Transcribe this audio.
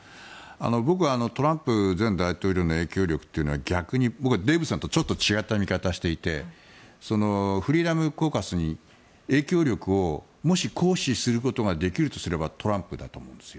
僕、トランプ前大統領の影響力というのは僕はデーブさんとちょっと違った見方をしていてフリーダム・コーカスに影響力をもし行使することができるとすればトランプだと思うんですよ。